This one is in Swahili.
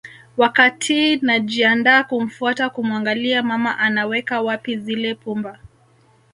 Wakatiii najiandaa kumfuata kumuangalia mama anaweka wapi zile pumba